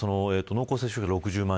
濃厚接触６０万